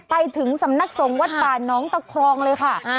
ไปถึงสำนักสงฆ์วัดป่าน้องตะครองเลยค่ะ